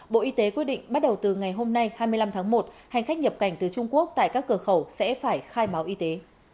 bộ y tế quyết định bắt đầu từ ngày hôm nay hai mươi năm tháng một hành khách nhập cảnh từ trung quốc tại các cửa khẩu sẽ phải khai báo y tế